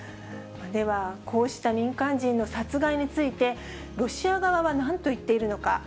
ではこうした民間人の殺害について、ロシア側はなんと言っているのか。